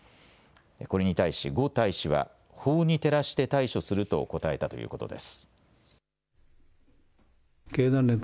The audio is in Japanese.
これに対し呉大使は法に照らして対処すると答えたということです。